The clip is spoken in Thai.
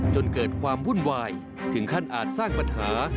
จนเกิดความวุ่นวายถึงขั้นอาจสร้างปัญหา